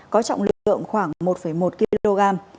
có trọng lực lượng khoảng một một kg